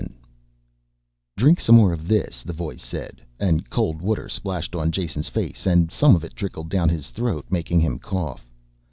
VII "Drink some more of this," the voice said, and cold water splashed on Jason's face and some of it trickled down his throat making him cough.